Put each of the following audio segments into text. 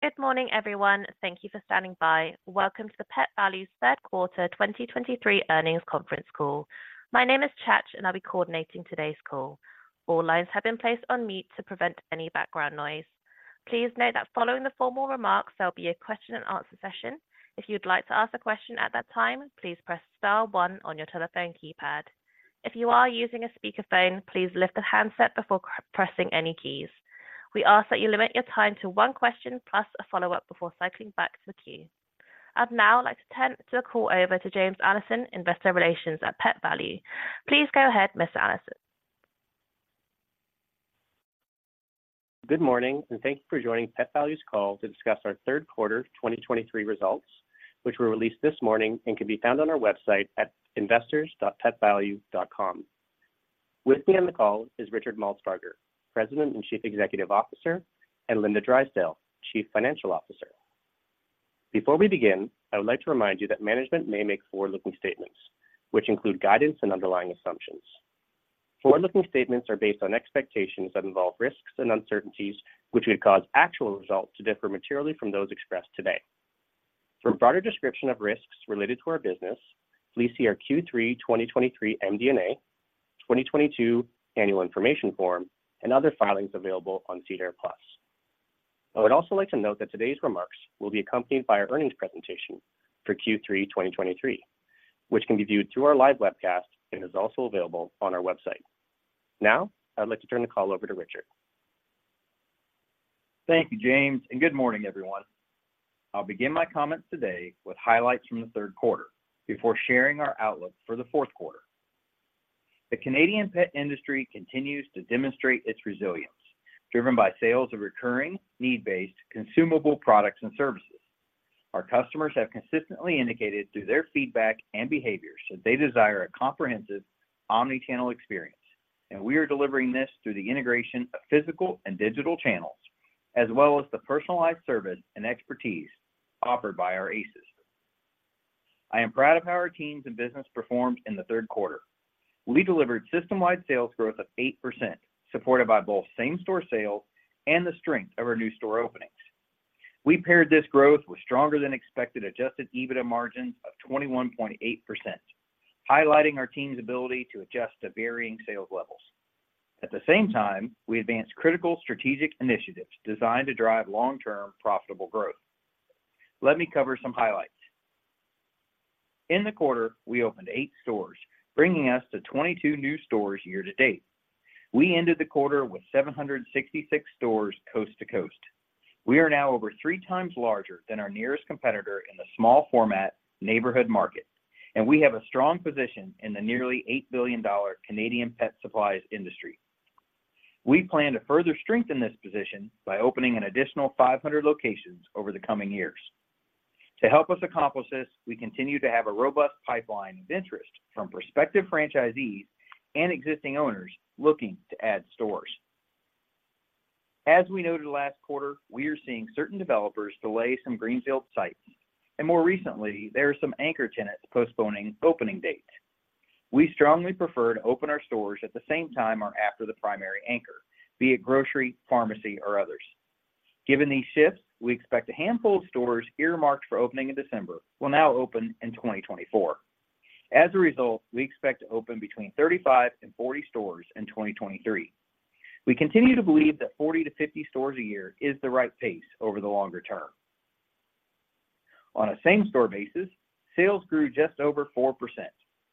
Good morning, everyone. Thank you for standing by. Welcome to the Pet Valu's Third Quarter 2023 Earnings Conference Call. My name is Chach, and I'll be coordinating today's call. All lines have been placed on mute to prevent any background noise. Please note that following the formal remarks, there'll be a question and answer session. If you'd like to ask a question at that time, please press star one on your telephone keypad. If you are using a speakerphone, please lift the handset before pressing any keys. We ask that you limit your time to one question, plus a follow-up, before cycling back to the queue. I'd now like to turn the call over to James Allison, Investor Relations at Pet Valu. Please go ahead, Mr. Allison. Good morning, and thank you for joining Pet Valu's call to discuss our third quarter 2023 results, which were released this morning and can be found on our website at investors.petvalu.com. With me on the call is Richard Maltsbarger, President and Chief Executive Officer, and Linda Drysdale, Chief Financial Officer. Before we begin, I would like to remind you that management may make forward-looking statements, which include guidance and underlying assumptions. Forward-looking statements are based on expectations that involve risks and uncertainties, which could cause actual results to differ materially from those expressed today. For a broader description of risks related to our business, please see our Q3 2023 MD&A, 2022 Annual Information Form, and other filings available on SEDAR+. I would also like to note that today's remarks will be accompanied by our earnings presentation for Q3 2023, which can be viewed through our live webcast and is also available on our website. Now, I'd like to turn the call over to Richard. Thank you, James, and good morning, everyone. I'll begin my comments today with highlights from the third quarter before sharing our outlook for the fourth quarter. The Canadian pet industry continues to demonstrate its resilience, driven by sales of recurring, need-based, consumable products and services. Our customers have consistently indicated through their feedback and behaviors that they desire a comprehensive omni-channel experience, and we are delivering this through the integration of physical and digital channels, as well as the personalized service and expertise offered by our ACEs. I am proud of how our teams and business performed in the third quarter. We delivered system-wide sales growth of 8%, supported by both same-store sales and the strength of our new store openings. We paired this growth with stronger-than-expected adjusted EBITDA margins of 21.8%, highlighting our team's ability to adjust to varying sales levels. At the same time, we advanced critical strategic initiatives designed to drive long-term, profitable growth. Let me cover some highlights. In the quarter, we opened eight stores, bringing us to 22 new stores year to date. We ended the quarter with 766 stores coast to coast. We are now over 3x larger than our nearest competitor in the small format neighborhood market, and we have a strong position in the nearly 8 billion Canadian dollars Canadian pet supplies industry. We plan to further strengthen this position by opening an additional 500 locations over the coming years. To help us accomplish this, we continue to have a robust pipeline of interest from prospective franchisees and existing owners looking to add stores. As we noted last quarter, we are seeing certain developers delay some greenfield sites, and more recently, there are some anchor tenants postponing opening dates. We strongly prefer to open our stores at the same time or after the primary anchor, be it grocery, pharmacy, or others. Given these shifts, we expect a handful of stores earmarked for opening in December will now open in 2024. As a result, we expect to open between 35 and 40 stores in 2023. We continue to believe that 40-50 stores a year is the right pace over the longer term. On a same-store basis, sales grew just over 4%,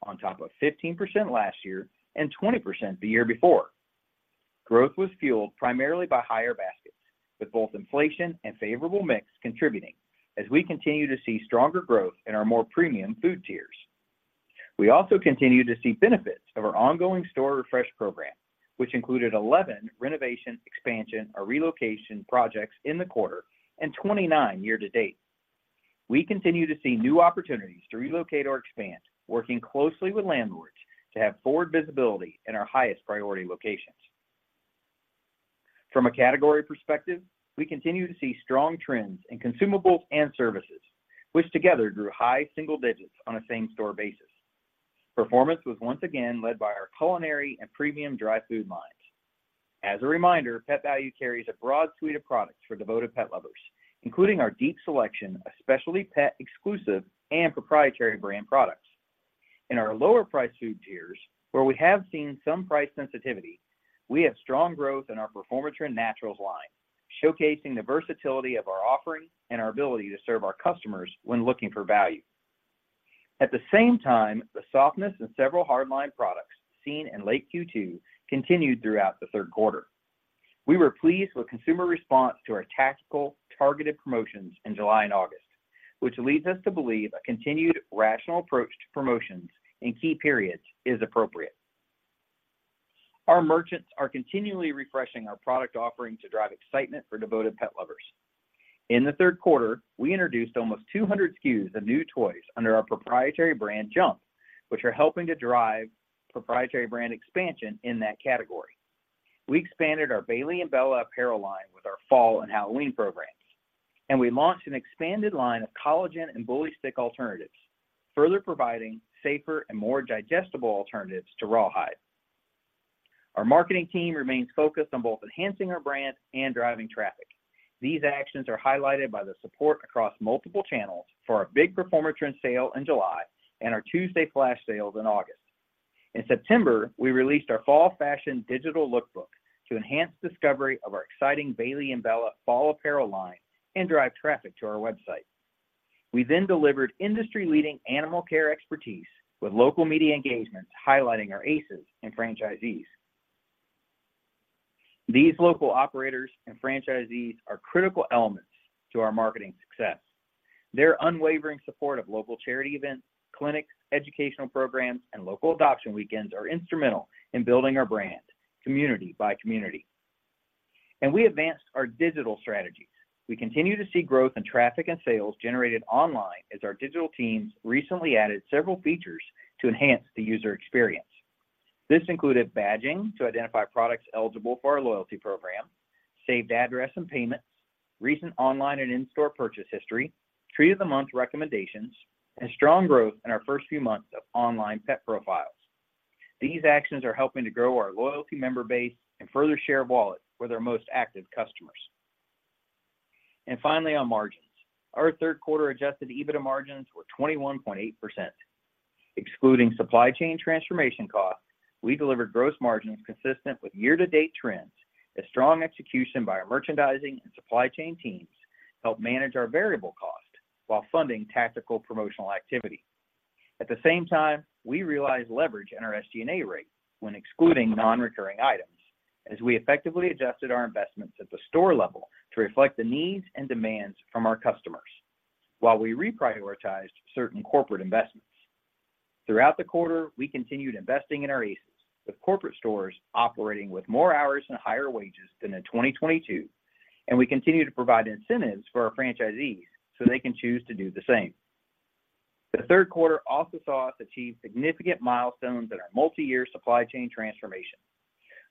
on top of 15% last year and 20% the year before. Growth was fueled primarily by higher baskets, with both inflation and favorable mix contributing as we continue to see stronger growth in our more premium food tiers. We also continue to see benefits of our ongoing store refresh program, which included 11 renovation, expansion, or relocation projects in the quarter and 29 year-to-date. We continue to see new opportunities to relocate or expand, working closely with landlords to have forward visibility in our highest priority locations. From a category perspective, we continue to see strong trends in consumables and services, which together grew high single digits on a same-store basis. Performance was once again led by our culinary and premium dry food lines. As a reminder, Pet Valu carries a broad suite of products for devoted pet lovers, including our deep selection, especially pet-exclusive and proprietary brand products. In our lower-priced food tiers, where we have seen some price sensitivity, we have strong growth in our Performatrin Naturals line, showcasing the versatility of our offering and our ability to serve our customers when looking for value. At the same time, the softness in several hardline products seen in late Q2 continued throughout the third quarter. We were pleased with consumer response to our tactical targeted promotions in July and August, which leads us to believe a continued rational approach to promotions in key periods is appropriate. Our merchants are continually refreshing our product offering to drive excitement for devoted pet lovers. In the third quarter, we introduced almost 200 SKUs of new toys under our proprietary brand, Jump, which are helping to drive proprietary brand expansion in that category. We expanded our Bailey & Bella apparel line with our fall and Halloween programs, and we launched an expanded line of collagen and bully stick alternatives, further providing safer and more digestible alternatives to rawhide. Our marketing team remains focused on both enhancing our brand and driving traffic. These actions are highlighted by the support across multiple channels for our big Performatrin sale in July and our Tuesday flash sales in August. In September, we released our fall fashion digital lookbook to enhance discovery of our exciting Bailey & Bella fall apparel line and drive traffic to our website. We then delivered industry-leading animal care expertise with local media engagements, highlighting our ACEs and franchisees. These local operators and franchisees are critical elements to our marketing success. Their unwavering support of local charity events, clinics, educational programs, and local adoption weekends are instrumental in building our brand, community by community. We advanced our digital strategies. We continue to see growth in traffic and sales generated online, as our digital teams recently added several features to enhance the user experience. This included badging to identify products eligible for our loyalty program, saved address and payments, recent online and in-store purchase history, Treat of the Month recommendations, and strong growth in our first few months of online pet profiles. These actions are helping to grow our loyalty member base and further share wallet with our most active customers. Finally, on margins. Our third quarter adjusted EBITDA margins were 21.8%. Excluding supply chain transformation costs, we delivered gross margins consistent with year-to-date trends, as strong execution by our merchandising and supply chain teams helped manage our variable cost while funding tactical promotional activity. At the same time, we realized leverage in our SG&A rate when excluding non-recurring items, as we effectively adjusted our investments at the store level to reflect the needs and demands from our customers, while we reprioritized certain corporate investments. Throughout the quarter, we continued investing in our ACEs, with corporate stores operating with more hours and higher wages than in 2022, and we continue to provide incentives for our franchisees so they can choose to do the same. The third quarter also saw us achieve significant milestones in our multi-year supply chain transformation.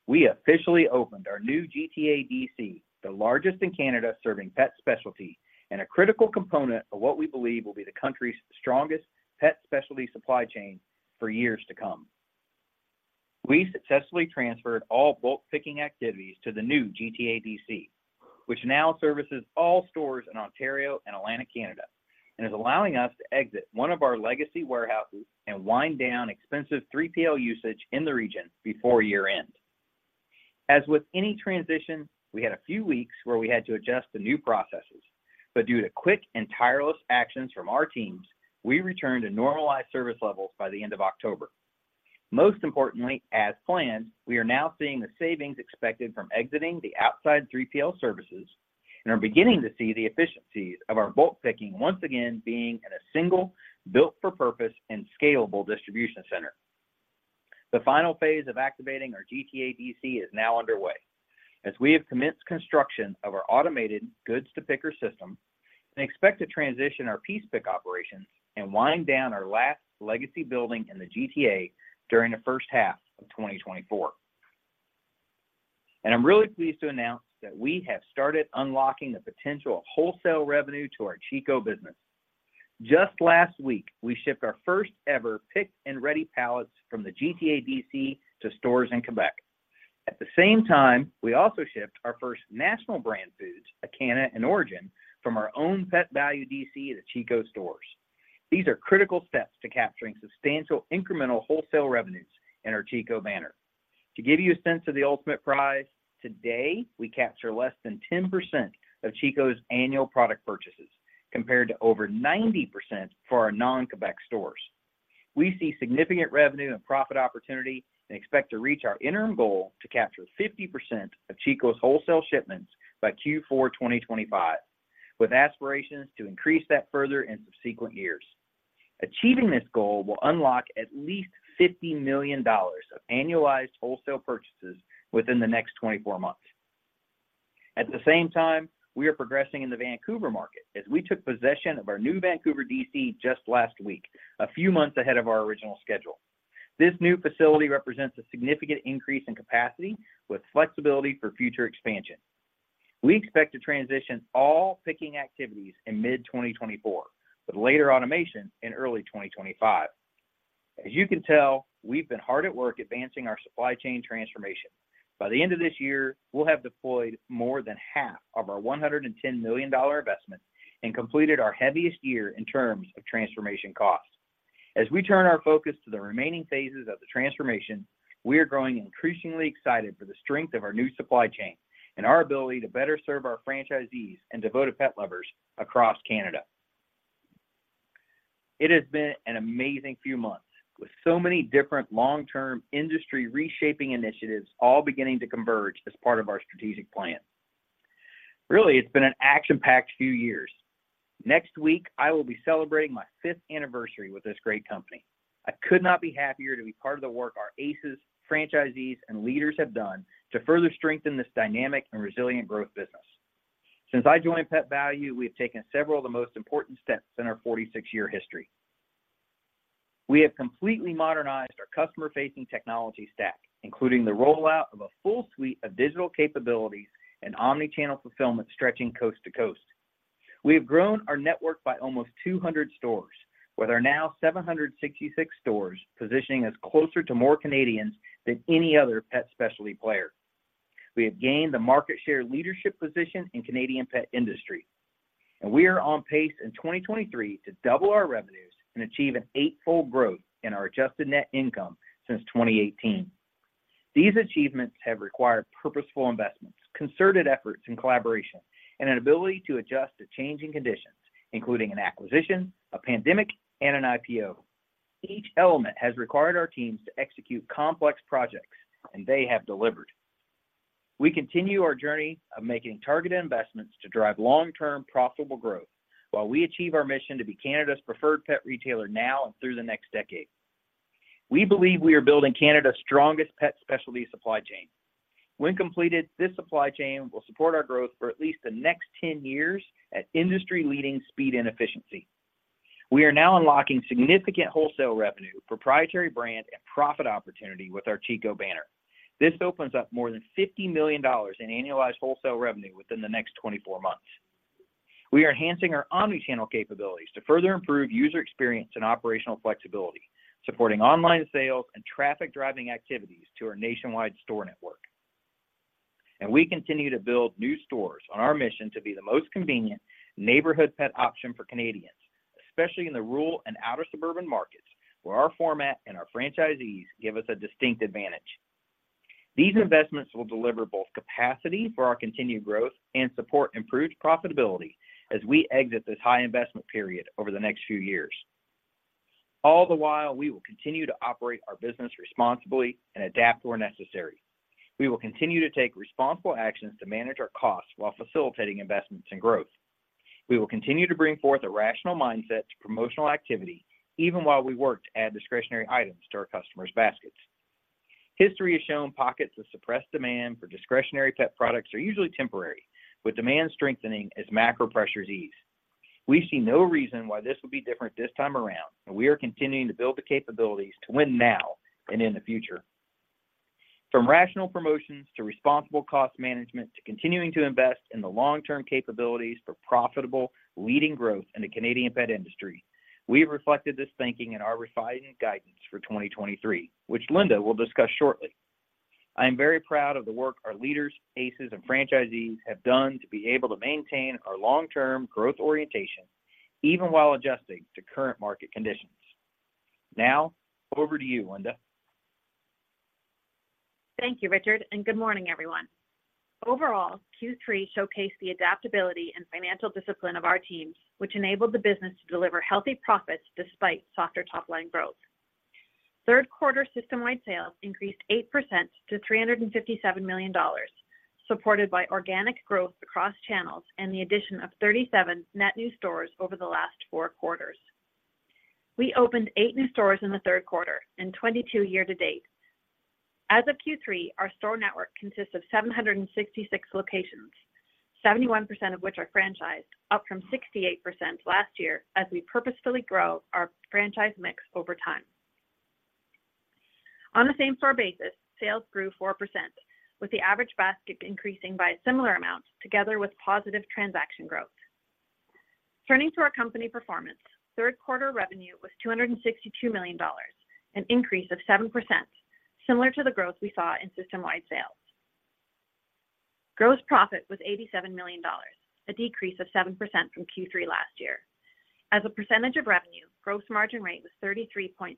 We officially opened our new GTA DC, the largest in Canada, serving pet specialty, and a critical component of what we believe will be the country's strongest pet specialty supply chain for years to come. We successfully transferred all bulk picking activities to the new GTA DC, which now services all stores in Ontario and Atlantic Canada, and is allowing us to exit one of our legacy warehouses and wind down expensive 3PL usage in the region before year-end. As with any transition, we had a few weeks where we had to adjust to new processes, but due to quick and tireless actions from our teams, we returned to normalized service levels by the end of October. Most importantly, as planned, we are now seeing the savings expected from exiting the outside 3PL services and are beginning to see the efficiencies of our bulk picking once again being in a single, built-for-purpose, and scalable distribution center. The final phase of activating our GTA DC is now underway. As we have commenced construction of our automated goods-to-picker system and expect to transition our piece pick operations and wind down our last legacy building in the GTA during the first half of 2024. I'm really pleased to announce that we have started unlocking the potential of wholesale revenue to our Chico business. Just last week, we shipped our first ever pick-and-ready pallets from the GTA DC to stores in Quebec. At the same time, we also shipped our first national brand foods, ACANA and ORIJEN, from our own Pet Valu DC to Chico stores. These are critical steps to capturing substantial incremental wholesale revenues in our Chico banner. To give you a sense of the ultimate prize, today, we capture less than 10% of Chico's annual product purchases, compared to over 90% for our non-Quebec stores. We see significant revenue and profit opportunity and expect to reach our interim goal to capture 50% of Chico's wholesale shipments by Q4 2025, with aspirations to increase that further in subsequent years. Achieving this goal will unlock at least 50 million dollars of annualized wholesale purchases within the next 24 months. At the same time, we are progressing in the Vancouver market as we took possession of our new Vancouver DC just last week, a few months ahead of our original schedule. This new facility represents a significant increase in capacity with flexibility for future expansion. We expect to transition all picking activities in mid-2024, but later automation in early 2025. As you can tell, we've been hard at work advancing our supply chain transformation. By the end of this year, we'll have deployed more than half of our 110 million dollar investment and completed our heaviest year in terms of transformation costs. As we turn our focus to the remaining phases of the transformation, we are growing increasingly excited for the strength of our new supply chain and our ability to better serve our franchisees and devoted pet lovers across Canada. It has been an amazing few months with so many different long-term industry reshaping initiatives all beginning to converge as part of our strategic plan. Really, it's been an action-packed few years. Next week, I will be celebrating my fifth anniversary with this great company. I could not be happier to be part of the work our ACEs, franchisees, and leaders have done to further strengthen this dynamic and resilient growth business. Since I joined Pet Valu, we have taken several of the most important steps in our 46-year history. We have completely modernized our customer-facing technology stack, including the rollout of a full suite of digital capabilities and omni-channel fulfillment stretching coast to coast. We have grown our network by almost 200 stores, with our now 766 stores, positioning us closer to more Canadians than any other pet specialty player. We have gained the market share leadership position in Canadian pet industry, and we are on pace in 2023 to double our revenues and achieve an eight-fold growth in our adjusted net income since 2018. These achievements have required purposeful investments, concerted efforts, and collaboration, and an ability to adjust to changing conditions, including an acquisition, a pandemic, and an IPO. Each element has required our teams to execute complex projects, and they have delivered. We continue our journey of making targeted investments to drive long-term, profitable growth, while we achieve our mission to be Canada's preferred pet retailer now and through the next decade. We believe we are building Canada's strongest pet specialty supply chain. When completed, this supply chain will support our growth for at least the next 10 years at industry-leading speed and efficiency. We are now unlocking significant wholesale revenue, proprietary brand, and profit opportunity with our Chico banner. This opens up more than 50 million dollars in annualized wholesale revenue within the next 24 months. We are enhancing our omni-channel capabilities to further improve user experience and operational flexibility, supporting online sales and traffic-driving activities to our nationwide store network. We continue to build new stores on our mission to be the most convenient neighborhood pet option for Canadians, especially in the rural and outer suburban markets, where our format and our franchisees give us a distinct advantage. These investments will deliver both capacity for our continued growth and support improved profitability as we exit this high investment period over the next few years. All the while, we will continue to operate our business responsibly and adapt where necessary. We will continue to take responsible actions to manage our costs while facilitating investments and growth. We will continue to bring forth a rational mindset to promotional activity, even while we work to add discretionary items to our customers' baskets. History has shown pockets of suppressed demand for discretionary pet products are usually temporary, with demand strengthening as macro pressures ease. We see no reason why this will be different this time around, and we are continuing to build the capabilities to win now and in the future. From rational promotions to responsible cost management, to continuing to invest in the long-term capabilities for profitable, leading growth in the Canadian pet industry, we have reflected this thinking in our revised guidance for 2023, which Linda will discuss shortly. I am very proud of the work our leaders, ACEs, and franchisees have done to be able to maintain our long-term growth orientation, even while adjusting to current market conditions. Now, over to you, Linda. Thank you, Richard, and good morning, everyone. Overall, Q3 showcased the adaptability and financial discipline of our teams, which enabled the business to deliver healthy profits despite softer top-line growth. Third quarter system-wide sales increased 8% to 357 million dollars, supported by organic growth across channels and the addition of 37 net new stores over the last four quarters. We opened 8 new stores in the third quarter and 22 year to date. As of Q3, our store network consists of 766 locations, 71% of which are franchised, up from 68% last year, as we purposefully grow our franchise mix over time. On the same-store basis, sales grew 4%, with the average basket increasing by a similar amount, together with positive transaction growth. Turning to our company performance, third quarter revenue was 262 million dollars, an increase of 7%, similar to the growth we saw in system-wide sales. Gross profit was 87 million dollars, a decrease of 7% from Q3 last year. As a percentage of revenue, gross margin rate was 33.3%.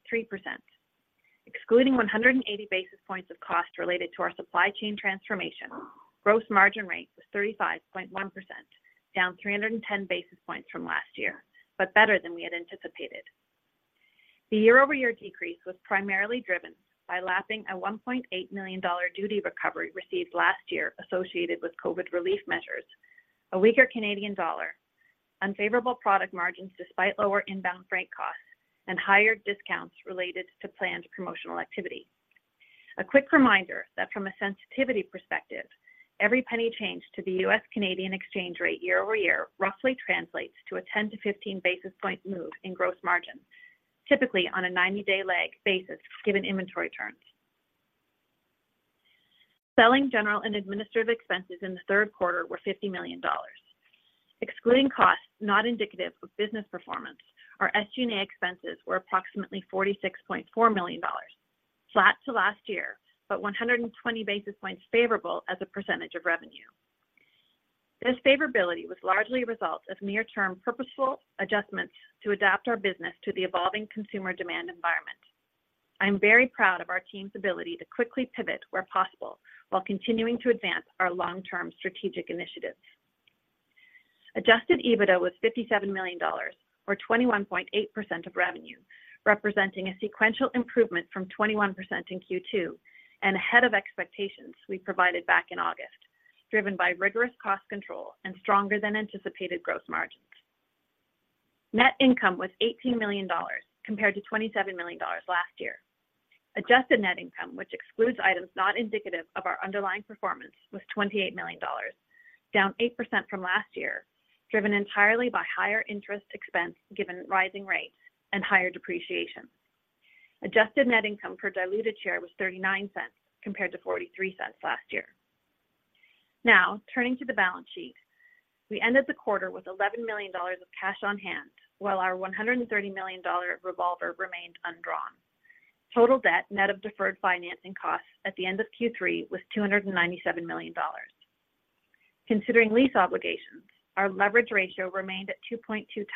Excluding 180 basis points of cost related to our supply chain transformation, gross margin rate was 35.1%, down 310 basis points from last year, but better than we had anticipated. The year-over-year decrease was primarily driven by lapping a 1.8 million dollar duty recovery received last year associated with COVID relief measures, a weaker Canadian dollar, unfavorable product margins despite lower inbound freight costs, and higher discounts related to planned promotional activity. A quick reminder that from a sensitivity perspective, every penny change to the U.S.-Canadian exchange rate year-over-year roughly translates to a 10-15 basis point move in gross margin, typically on a 90-day lag basis, given inventory turns. Selling, general, and administrative expenses in the third quarter were 50 million dollars. Excluding costs not indicative of business performance, our SG&A expenses were approximately 46.4 million dollars, flat to last year, but 120 basis points favorable as a percentage of revenue. This favorability was largely a result of near-term purposeful adjustments to adapt our business to the evolving consumer demand environment. I'm very proud of our team's ability to quickly pivot where possible while continuing to advance our long-term strategic initiatives. Adjusted EBITDA was 57 million dollars, or 21.8% of revenue, representing a sequential improvement from 21% in Q2 and ahead of expectations we provided back in August, driven by rigorous cost control and stronger than anticipated gross margins. Net income was 18 million dollars, compared to 27 million dollars last year. Adjusted net income, which excludes items not indicative of our underlying performance, was 28 million dollars, down 8% from last year, driven entirely by higher interest expense given rising rates and higher depreciation. Adjusted net income per diluted share was 0.39, compared to 0.43 last year. Now, turning to the balance sheet, we ended the quarter with 11 million dollars of cash on hand, while our 130 million dollar revolver remained undrawn. Total debt, net of deferred financing costs at the end of Q3, was 297 million dollars. Considering lease obligations, our leverage ratio remained at 2.2x.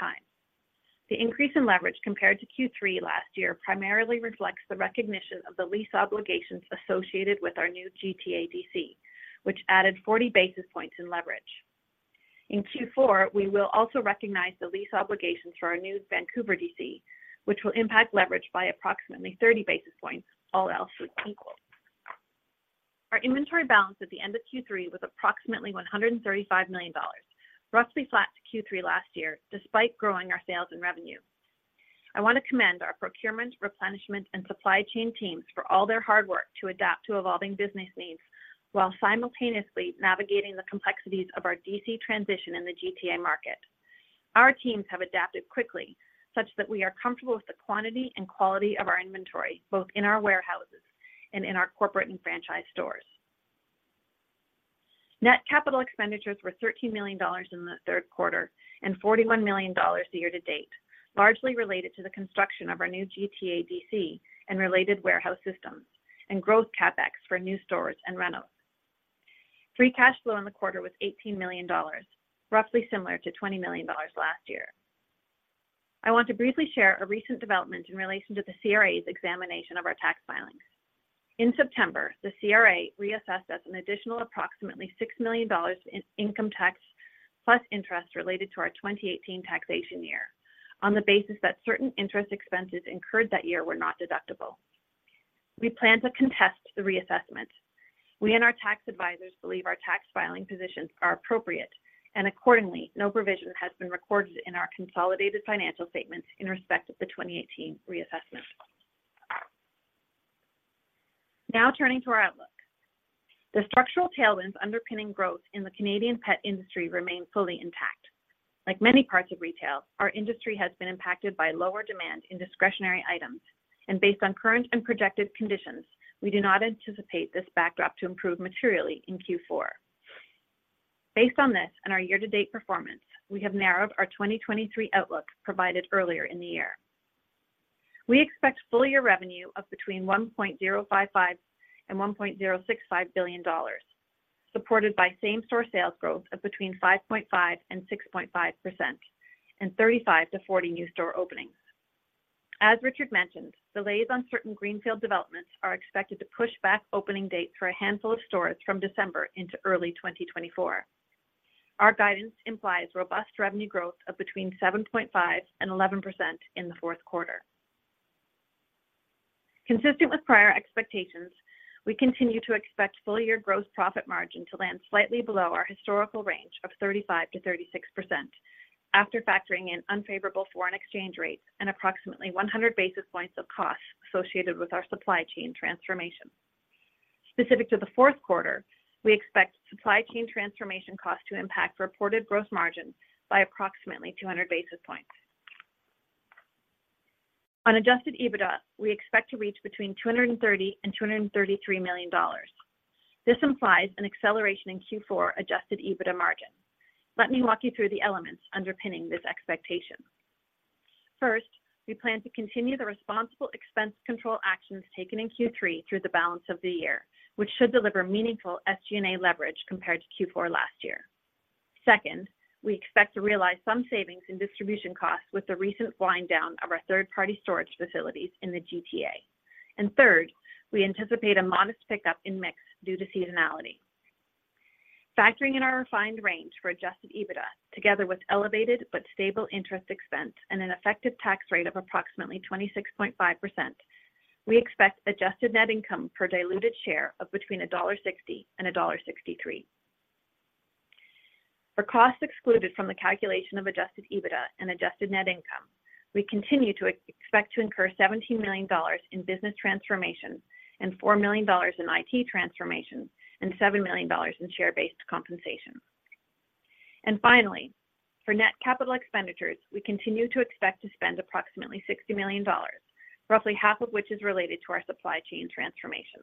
The increase in leverage compared to Q3 last year primarily reflects the recognition of the lease obligations associated with our new GTA DC, which added 40 basis points in leverage. In Q4, we will also recognize the lease obligations for our new Vancouver DC, which will impact leverage by approximately 30 basis points, all else being equal. Our inventory balance at the end of Q3 was approximately 135 million dollars, roughly flat to Q3 last year, despite growing our sales and revenue. I want to commend our procurement, replenishment, and supply chain teams for all their hard work to adapt to evolving business needs while simultaneously navigating the complexities of our DC transition in the GTA market. Our teams have adapted quickly, such that we are comfortable with the quantity and quality of our inventory, both in our warehouses and in our corporate and franchise stores. Net capital expenditures were 13 million dollars in the third quarter and 41 million dollars year to date, largely related to the construction of our new GTA DC and related warehouse systems, and growth CapEx for new stores and renos. Free cash flow in the quarter was 18 million dollars, roughly similar to 20 million dollars last year. I want to briefly share a recent development in relation to the CRA's examination of our tax filings. In September, the CRA reassessed us an additional approximately 6 million dollars in income tax, plus interest related to our 2018 taxation year, on the basis that certain interest expenses incurred that year were not deductible. We plan to contest the reassessment. We and our tax advisors believe our tax filing positions are appropriate, and accordingly, no provision has been recorded in our consolidated financial statements in respect of the 2018 reassessment. Now turning to our outlook. The structural tailwinds underpinning growth in the Canadian pet industry remain fully intact. Like many parts of retail, our industry has been impacted by lower demand in discretionary items, and based on current and projected conditions, we do not anticipate this backdrop to improve materially in Q4. Based on this and our year-to-date performance, we have narrowed our 2023 outlook provided earlier in the year. We expect full-year revenue of between 1.055 billion and 1.065 billion dollars, supported by same-store sales growth of between 5.5% and 6.5%, and 35-40 new store openings. As Richard mentioned, delays on certain greenfield developments are expected to push back opening dates for a handful of stores from December into early 2024. Our guidance implies robust revenue growth of between 7.5% and 11% in the fourth quarter. Consistent with prior expectations, we continue to expect full-year gross profit margin to land slightly below our historical range of 35%-36%, after factoring in unfavorable foreign exchange rates and approximately 100 basis points of costs associated with our supply chain transformation. Specific to the fourth quarter, we expect supply chain transformation costs to impact reported gross margin by approximately 200 basis points. On Adjusted EBITDA, we expect to reach between 230 million and 233 million dollars. This implies an acceleration in Q4 Adjusted EBITDA margin. Let me walk you through the elements underpinning this expectation. First, we plan to continue the responsible expense control actions taken in Q3 through the balance of the year, which should deliver meaningful SG&A leverage compared to Q4 last year. Second, we expect to realize some savings in distribution costs with the recent wind down of our third-party storage facilities in the GTA. And third, we anticipate a modest pickup in mix due to seasonality. Factoring in our refined range for adjusted EBITDA, together with elevated but stable interest expense and an effective tax rate of approximately 26.5%, we expect adjusted net income per diluted share of between dollar 1.60 and dollar 1.63. For costs excluded from the calculation of adjusted EBITDA and adjusted net income, we continue to expect to incur 17 million dollars in business transformation, and 4 million dollars in IT transformation, and 7 million dollars in share-based compensation. And finally, for net capital expenditures, we continue to expect to spend approximately 60 million dollars, roughly half of which is related to our supply chain transformation.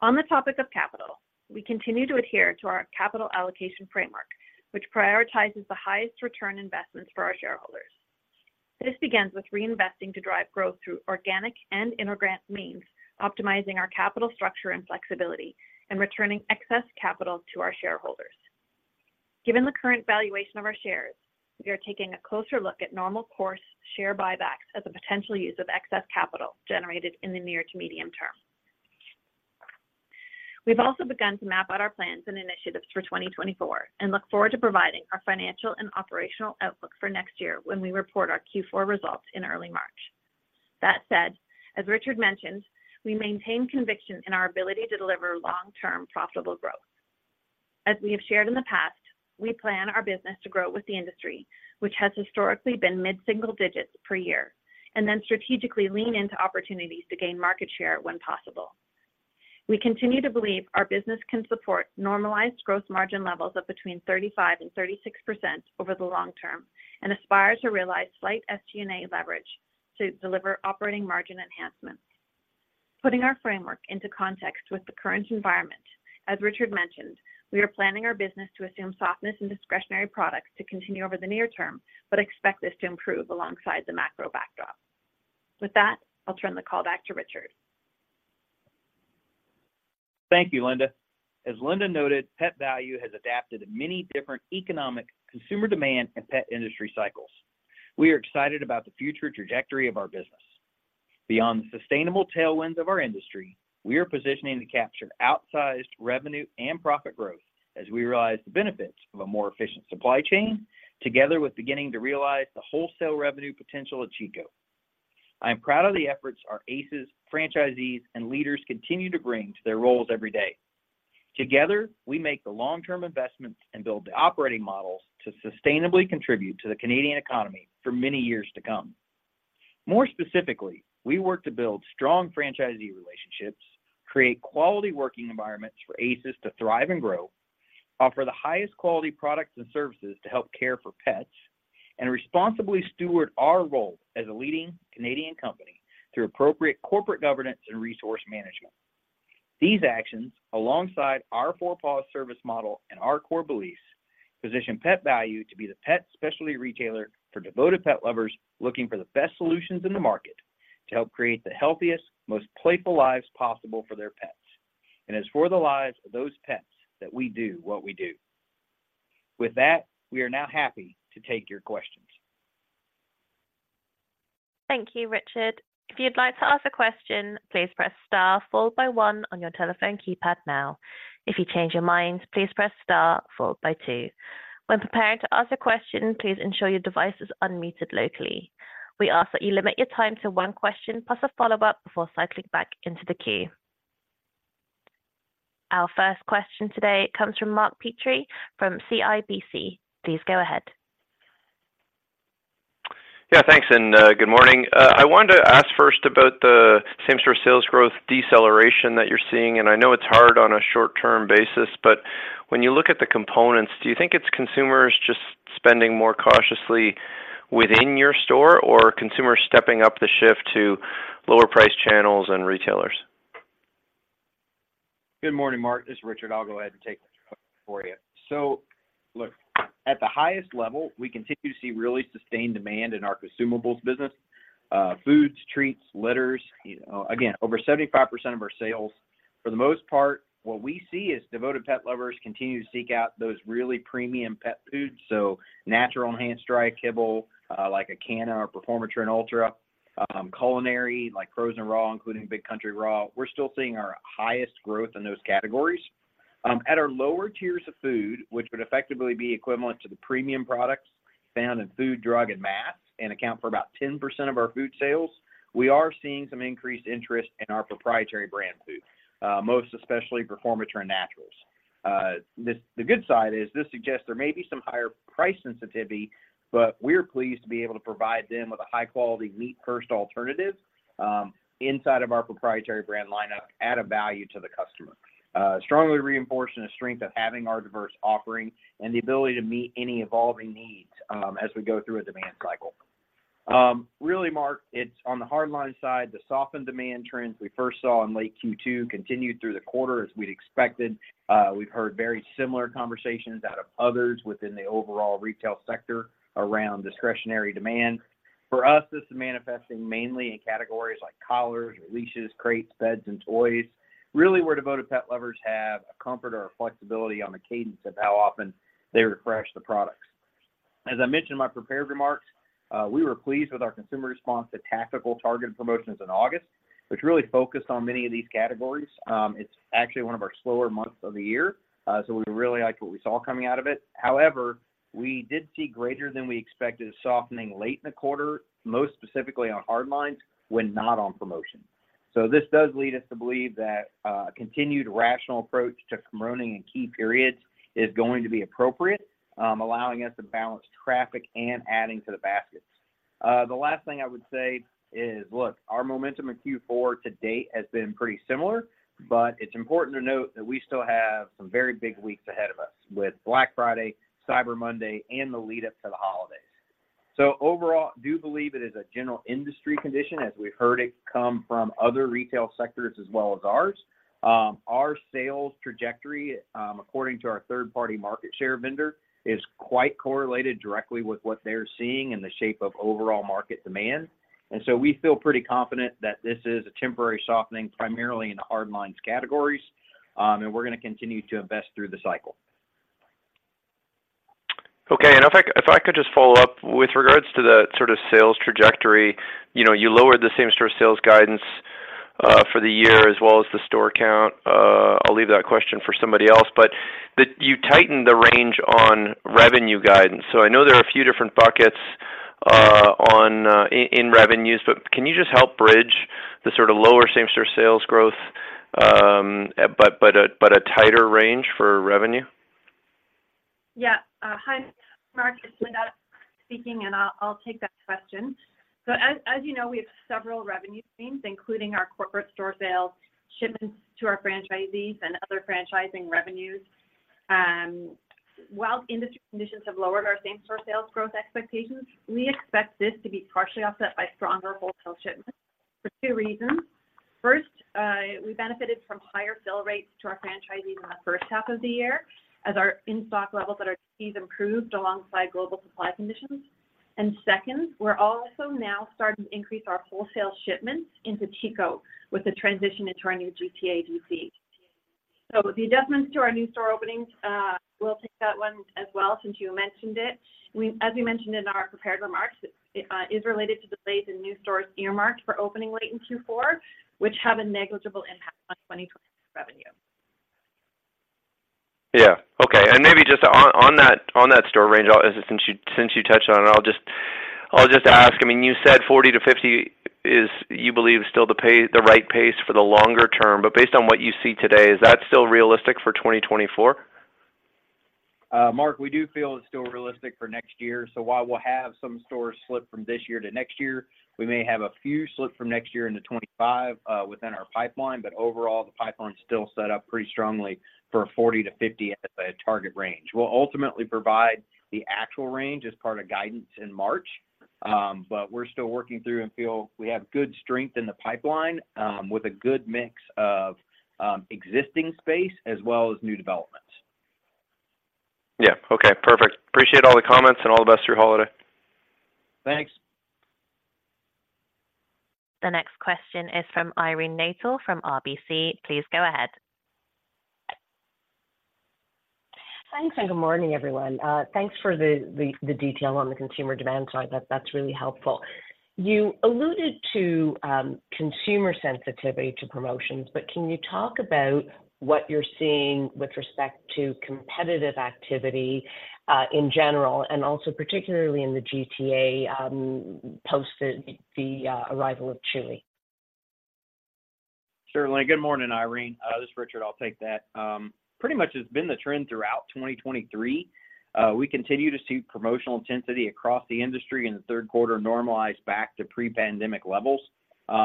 On the topic of capital, we continue to adhere to our capital allocation framework, which prioritizes the highest return investments for our shareholders. This begins with reinvesting to drive growth through organic and inorganic means, optimizing our capital structure and flexibility, and returning excess capital to our shareholders. Given the current valuation of our shares, we are taking a closer look at normal course share buybacks as a potential use of excess capital generated in the near to medium term. We've also begun to map out our plans and initiatives for 2024, and look forward to providing our financial and operational outlook for next year when we report our Q4 results in early March. That said, as Richard mentioned, we maintain conviction in our ability to deliver long-term profitable growth. As we have shared in the past, we plan our business to grow with the industry, which has historically been mid-single digits per year, and then strategically lean into opportunities to gain market share when possible. We continue to believe our business can support normalized gross margin levels of between 35%-36% over the long term, and aspire to realize slight SG&A leverage to deliver operating margin enhancements. Putting our framework into context with the current environment, as Richard mentioned, we are planning our business to assume softness in discretionary products to continue over the near term, but expect this to improve alongside the macro backdrop. With that, I'll turn the call back to Richard. Thank you, Linda. As Linda noted, Pet Valu has adapted to many different economic, consumer demand, and pet industry cycles. We are excited about the future trajectory of our business. Beyond the sustainable tailwinds of our industry, we are positioning to capture outsized revenue and profit growth as we realize the benefits of a more efficient supply chain, together with beginning to realize the wholesale revenue potential of Chico. I am proud of the efforts our ACEs, franchisees, and leaders continue to bring to their roles every day. Together, we make the long-term investments and build the operating models to sustainably contribute to the Canadian economy for many years to come. More specifically, we work to build strong franchisee relationships, create quality working environments for ACEs to thrive and grow, offer the highest quality products and services to help care for pets, and responsibly steward our role as a leading Canadian company through appropriate corporate governance and resource management. These actions, alongside Our Four Paws service model and our core beliefs, position Pet Valu to be the pet specialty retailer for devoted pet lovers looking for the best solutions in the market to help create the healthiest, most playful lives possible for their pets. And it's for the lives of those pets that we do what we do. With that, we are now happy to take your questions. Thank you, Richard. If you'd like to ask a question, please press star followed by one on your telephone keypad now. If you change your mind, please press star followed by two. When preparing to ask a question, please ensure your device is unmuted locally. We ask that you limit your time to one question plus a follow-up before cycling back into the queue. Our first question today comes from Mark Petrie from CIBC. Please go ahead. Yeah, thanks, and, good morning. I wanted to ask first about the same-store sales growth deceleration that you're seeing, and I know it's hard on a short-term basis, but when you look at the components, do you think it's consumers just spending more cautiously within your store or consumers stepping up the shift to lower-priced channels and retailers? Good morning, Mark. This is Richard. I'll go ahead and take this for you. So look, at the highest level, we continue to see really sustained demand in our consumables business, foods, treats, litters. You know, again, over 75% of our sales, for the most part, what we see is devoted pet lovers continue to seek out those really premium pet foods, so natural enhanced dry kibble, like a ACANA or Performatrin Ultra, culinary, like frozen raw, including Big Country Raw. We're still seeing our highest growth in those categories. At our lower tiers of food, which would effectively be equivalent to the premium products found in food, drug, and mass, and account for about 10% of our food sales, we are seeing some increased interest in our proprietary brand food, most especially Performatrin Naturals. The good side is this suggests there may be some higher price sensitivity, but we're pleased to be able to provide them with a high-quality, meat-first alternative, inside of our proprietary brand lineup at a value to the customer. Strongly reinforcing the strength of having our diverse offering and the ability to meet any evolving needs, as we go through a demand cycle. Really, Mark, it's on the hardline side, the softened demand trends we first saw in late Q2 continued through the quarter as we'd expected. We've heard very similar conversations out of others within the overall retail sector around discretionary demand. For us, this is manifesting mainly in categories like collars, leashes, crates, beds, and toys, really where devoted pet lovers have a comfort or a flexibility on the cadence of how often they refresh the products. As I mentioned in my prepared remarks, we were pleased with our consumer response to tactical targeted promotions in August, which really focused on many of these categories. It's actually one of our slower months of the year, so we really liked what we saw coming out of it. However, we did see greater than we expected softening late in the quarter, most specifically on hardlines, when not on promotion. So this does lead us to believe that a continued rational approach to promoting in key periods is going to be appropriate, allowing us to balance traffic and adding to the baskets. The last thing I would say is, look, our momentum in Q4 to date has been pretty similar, but it's important to note that we still have some very big weeks ahead of us with Black Friday, Cyber Monday, and the lead-up to the holidays. So overall, do believe it is a general industry condition as we've heard it come from other retail sectors as well as ours. Our sales trajectory, according to our third-party market share vendor, is quite correlated directly with what they're seeing in the shape of overall market demand. And so we feel pretty confident that this is a temporary softening, primarily in hardlines categories, and we're gonna continue to invest through the cycle. Okay. And if I could just follow up with regards to the sort of sales trajectory. You know, you lowered the same-store sales guidance for the year, as well as the store count. I'll leave that question for somebody else, but you tightened the range on revenue guidance. So I know there are a few different buckets on in revenues, but can you just help bridge the sort of lower same-store sales growth, but a tighter range for revenue? Yeah. Hi, Mark, it's Linda speaking, and I'll, I'll take that question. So as, as you know, we have several revenue streams, including our corporate store sales, shipments to our franchisees, and other franchising revenues. While industry conditions have lowered our same-store sales growth expectations, we expect this to be partially offset by stronger wholesale shipments for two reasons. First, we benefited from higher fill rates to our franchisees in the first half of the year, as our in-stock levels at our DCs improved alongside global supply conditions. And second, we're also now starting to increase our wholesale shipments into Chico with the transition into our new GTA DC. So the adjustments to our new store openings, we'll take that one as well, since you mentioned it. As we mentioned in our prepared remarks, it is related to delays in new stores earmarked for opening late in Q4, which have a negligible impact on 2024 revenue. Yeah. Okay. And maybe just on that store range, since you touched on it, I'll just ask. I mean, you said 40-50 is, you believe, still the right pace for the longer term, but based on what you see today, is that still realistic for 2024? Mark, we do feel it's still realistic for next year. So while we'll have some stores slip from this year to next year, we may have a few slip from next year into 2025, within our pipeline. But overall, the pipeline is still set up pretty strongly for a 40-50 as a target range. We'll ultimately provide the actual range as part of guidance in March, but we're still working through and feel we have good strength in the pipeline, with a good mix of, existing space as well as new developments. Yeah. Okay, perfect. Appreciate all the comments, and all the best your holiday. Thanks. The next question is from Irene Nattel from RBC. Please go ahead. Thanks, and good morning, everyone. Thanks for the detail on the consumer demand side. That's really helpful. You alluded to consumer sensitivity to promotions, but can you talk about what you're seeing with respect to competitive activity, in general, and also particularly in the GTA, post the arrival of Chewy? Certainly. Good morning, Irene. This is Richard. I'll take that. Pretty much has been the trend throughout 2023. We continue to see promotional intensity across the industry in the third quarter normalize back to pre-pandemic levels,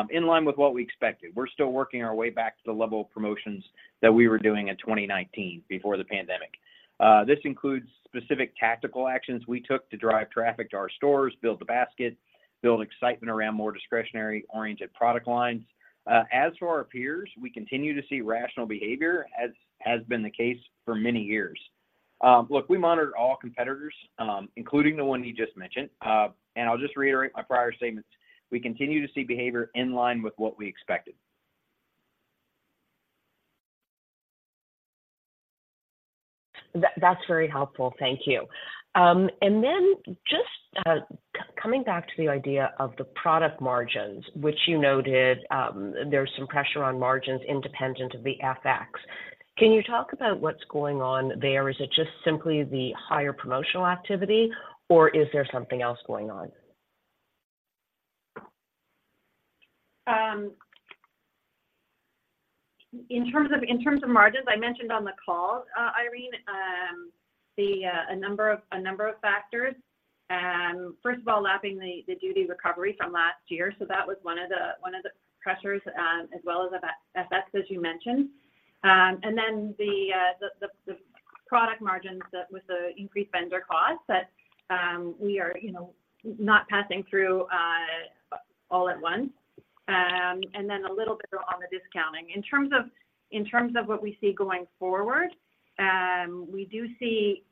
in line with what we expected. We're still working our way back to the level of promotions that we were doing in 2019 before the pandemic. This includes specific tactical actions we took to drive traffic to our stores, build the basket, build excitement around more discretionary-oriented product lines. As for our peers, we continue to see rational behavior, as has been the case for many years. Look, we monitor all competitors, including the one you just mentioned. I'll just reiterate my prior statements. We continue to see behavior in line with what we expected. That, that's very helpful. Thank you. And then just, coming back to the idea of the product margins, which you noted, there's some pressure on margins independent of the FX. Can you talk about what's going on there? Is it just simply the higher promotional activity, or is there something else going on? In terms of margins, I mentioned on the call, Irene, a number of factors. First of all, lapping the duty recovery from last year. So that was one of the pressures, as well as the FX, as you mentioned. And then the product margins with the increased vendor costs that we are, you know, not passing through all at once. And then a little bit on the discounting. In terms of what we see going forward, we do see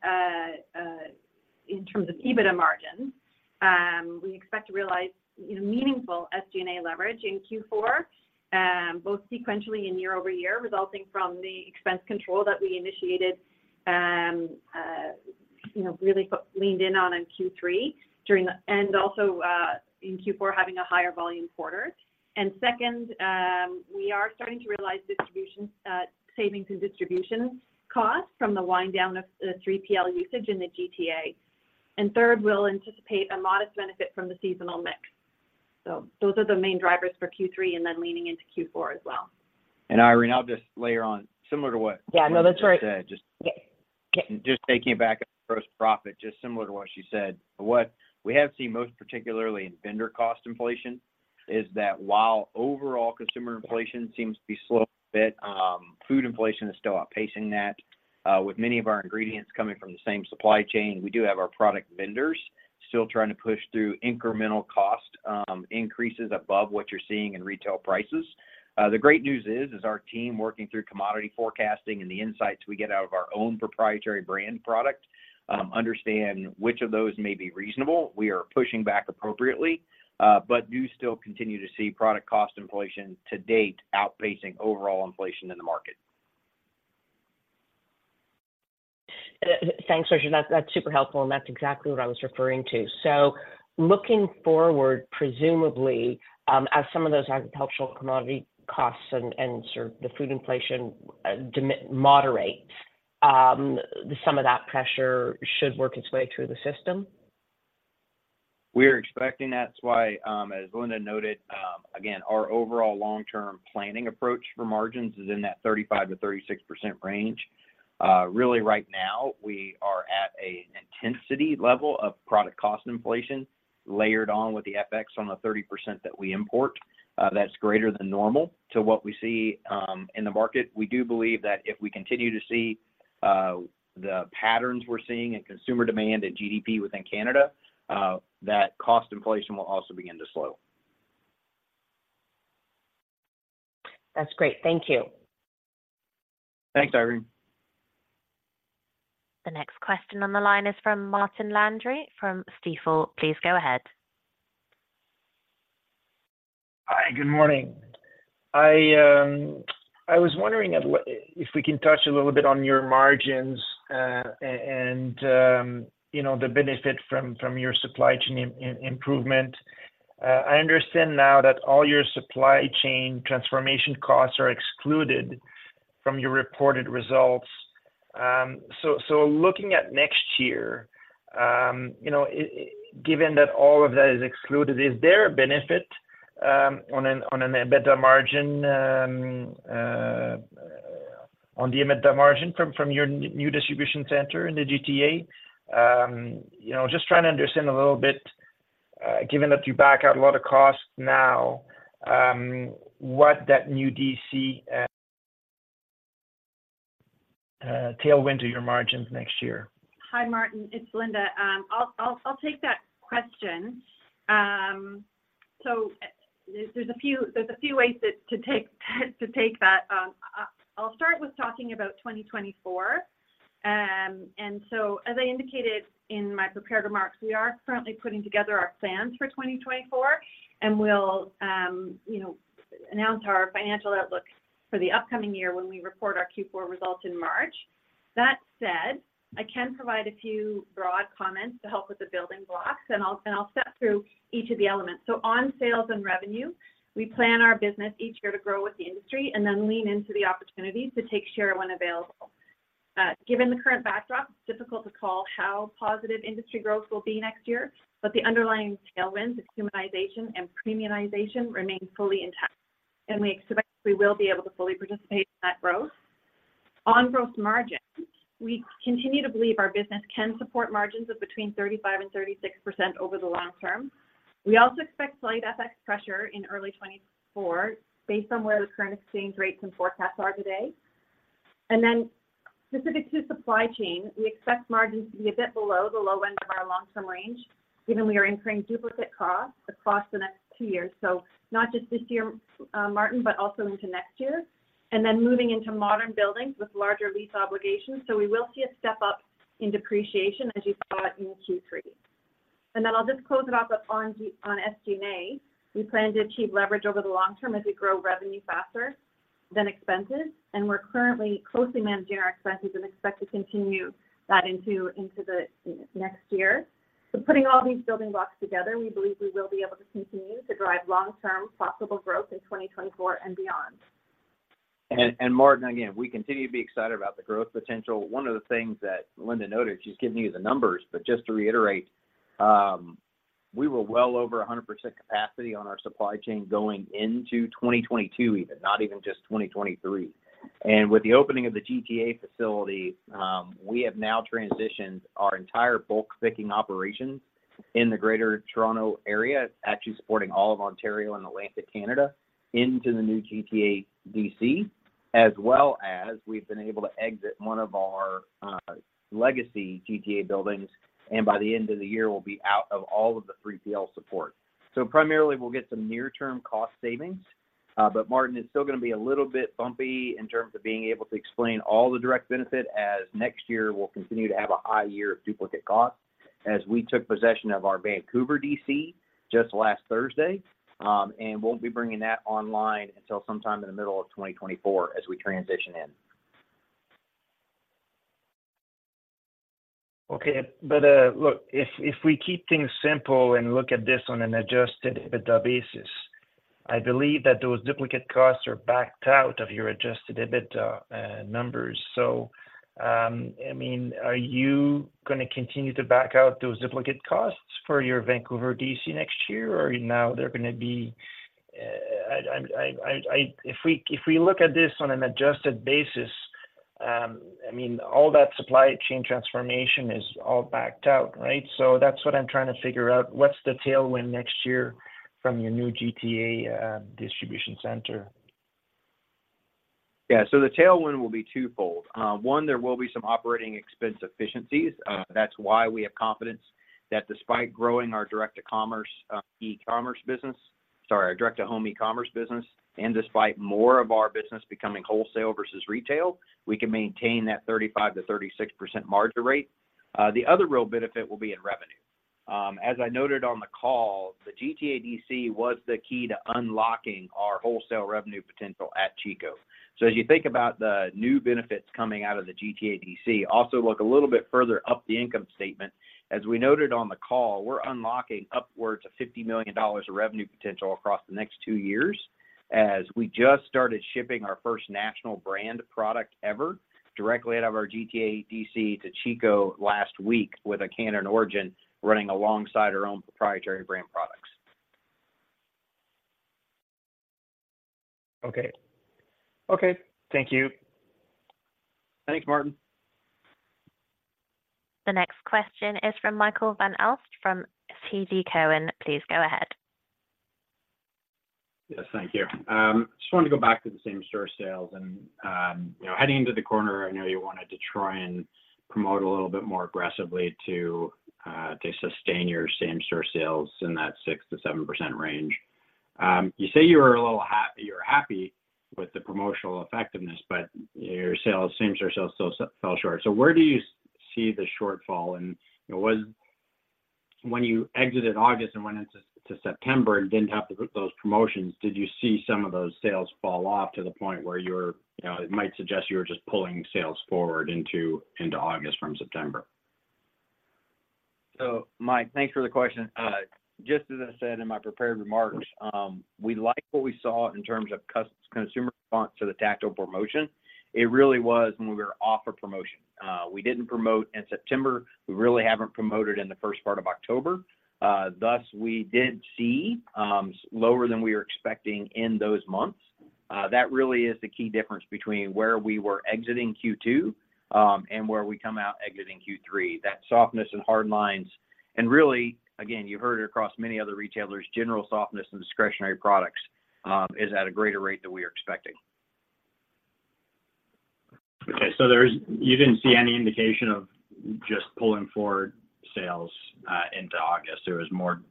in terms of EBITDA margins, we expect to realize, you know, meaningful SG&A leverage in Q4, both sequentially and year-over-year, resulting from the expense control that we initiated, you know, really put leaned in on in Q3 during the, and also, in Q4, having a higher volume quarter. And second, we are starting to realize distribution savings in distribution costs from the wind down of the 3PL usage in the GTA. And third, we'll anticipate a modest benefit from the seasonal mix. So those are the main drivers for Q3 and then leaning into Q4 as well. And Irene, I'll just layer on, similar to what- Yeah, no, that's right.... just said, taking it back at gross profit, just similar to what she said. What we have seen, most particularly in vendor cost inflation, is that while overall consumer inflation seems to be slowing a bit, food inflation is still outpacing that. With many of our ingredients coming from the same supply chain, we do have our product vendors still trying to push through incremental cost increases above what you're seeing in retail prices. The great news is our team working through commodity forecasting and the insights we get out of our own proprietary brand product understand which of those may be reasonable. We are pushing back appropriately, but do still continue to see product cost inflation to date outpacing overall inflation in the market. Thanks, Richard. That's, that's super helpful, and that's exactly what I was referring to. So looking forward, presumably, as some of those agricultural commodity costs and, and the food inflation, moderate, some of that pressure should work its way through the system? We're expecting that's why, as Linda noted, again, our overall long-term planning approach for margins is in that 35%-36% range. Really right now, we are at a intensity level of product cost inflation, layered on with the FX on the 30% that we import. That's greater than normal to what we see, in the market. We do believe that if we continue to see, the patterns we're seeing in consumer demand and GDP within Canada, that cost inflation will also begin to slow. That's great. Thank you. Thanks, Irene. The next question on the line is from Martin Landry from Stifel. Please go ahead. Hi, good morning. I was wondering if we can touch a little bit on your margins, and, you know, the benefit from your supply chain improvement. I understand now that all your supply chain transformation costs are excluded from your reported results. So, looking at next year, you know, given that all of that is excluded, is there a benefit on an EBITDA margin, on the EBITDA margin from your new distribution center in the GTA? You know, just trying to understand a little bit, given that you back out a lot of costs now, what that new DC tailwind to your margins next year? Hi, Martin, it's Linda. I'll take that question. So there's a few ways to take that. I'll start with talking about 2024. And so as I indicated in my prepared remarks, we are currently putting together our plans for 2024, and we'll, you know, announce our financial outlook for the upcoming year when we report our Q4 results in March. That said, I can provide a few broad comments to help with the building blocks, and I'll step through each of the elements. So on sales and revenue, we plan our business each year to grow with the industry and then lean into the opportunities to take share when available. Given the current backdrop, it's difficult to call how positive industry growth will be next year, but the underlying tailwinds of humanization and premiumization remain fully intact, and we expect we will be able to fully participate in that growth. On gross margin, we continue to believe our business can support margins of between 35% and 36% over the long term. We also expect slight FX pressure in early 2024, based on where the current exchange rates and forecasts are today. And then specific to supply chain, we expect margins to be a bit below the low end of our long-term range, given we are incurring duplicate costs across the next two years. So not just this year, Martin, but also into next year, and then moving into modern buildings with larger lease obligations. So we will see a step-up in depreciation, as you saw in Q3. And then I'll just close it off on SG&A. We plan to achieve leverage over the long term as we grow revenue faster than expenses, and we're currently closely managing our expenses and expect to continue that into the next year. So putting all these building blocks together, we believe we will be able to continue to drive long-term profitable growth in 2024 and beyond. And, Martin, again, we continue to be excited about the growth potential. One of the things that Linda noted, she's given you the numbers, but just to reiterate, we were well over 100% capacity on our supply chain going into 2022, even, not even just 2023. And with the opening of the GTA facility, we have now transitioned our entire bulk picking operations in the Greater Toronto Area, it's actually supporting all of Ontario and Atlantic Canada into the new GTA DC, as well as we've been able to exit one of our legacy GTA buildings, and by the end of the year, we'll be out of all of the 3PL support. So primarily, we'll get some near-term cost savings, but Martin, it's still gonna be a little bit bumpy in terms of being able to explain all the direct benefit, as next year will continue to have a high year of duplicate costs, as we took possession of our Vancouver DC just last Thursday. And won't be bringing that online until sometime in the middle of 2024 as we transition in. Okay, but look, if we keep things simple and look at this on an Adjusted EBITDA basis, I believe that those duplicate costs are backed out of your Adjusted EBITDA numbers. So, I mean, are you gonna continue to back out those duplicate costs for your Vancouver DC next year, or now they're gonna be. I'm, if we look at this on an adjusted basis, I mean, all that supply chain transformation is all backed out, right? So that's what I'm trying to figure out. What's the tailwind next year from your new GTA distribution center? Yeah, so the tailwind will be twofold. One, there will be some operating expense efficiencies. That's why we have confidence that despite growing our direct-to-commerce, e-commerce business, sorry, our direct-to-home e-commerce business, and despite more of our business becoming wholesale versus retail, we can maintain that 35%-36% margin rate. The other real benefit will be in revenue. As I noted on the call, the GTA DC was the key to unlocking our wholesale revenue potential at Chico. So as you think about the new benefits coming out of the GTA DC, also look a little bit further up the income statement. As we noted on the call, we're unlocking upwards of 50 million dollars of revenue potential across the next two years. As we just started shipping our first national brand product ever directly out of our GTA DC to Chico last week with Acana and Orijen running alongside our own proprietary brand products. Okay. Okay, thank you. Thanks, Martin. The next question is from Michael Van Aelst, from TD Cowen. Please go ahead. Yes, thank you. Just wanted to go back to the same-store sales and, you know, heading into the quarter, I know you wanted to try and promote a little bit more aggressively to sustain your same-store sales in that 6%-7% range. You say you were happy with the promotional effectiveness, but your sales, same-store sales, still fell short. So where do you see the shortfall, and when you exited August and went into September and didn't have to put those promotions, did you see some of those sales fall off to the point where you were, you know, it might suggest you were just pulling sales forward into August from September? So Mike, thanks for the question. Just as I said in my prepared remarks, we liked what we saw in terms of consumer response to the tactical promotion. It really was when we were off of promotion. We didn't promote in September. We really haven't promoted in the first part of October. Thus, we did see lower than we were expecting in those months. That really is the key difference between where we were exiting Q2 and where we come out exiting Q3, that softness in hardlines. And really, again, you heard it across many other retailers, general softness in discretionary products is at a greater rate than we were expecting. Okay, so there is, you didn't see any indication of just pulling forward sales into August. It was more